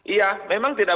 iya memang tidak